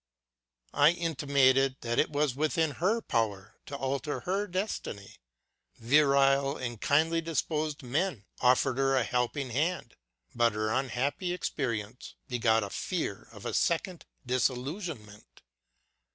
I intimated that it was within her power to alter her destiny. Virile and kindly disposed men offered her a helping hand. But her unhappy experience begot a fear of a second disillusion ment.